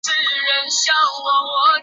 负责的政府机构为国土交通省。